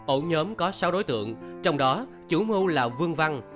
ổ nhóm có sáu đối tượng trong đó chủ mưu là vương văn